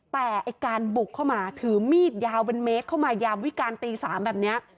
แต่ไอ้การบุกเข้ามาถือมีดยาวเป็นเมตรเข้ามายามวิการตี๓แบบนี้